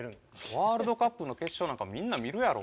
ワールドカップの決勝なんかみんな見るやろ。